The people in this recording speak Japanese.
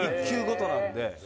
１球ごとなんで。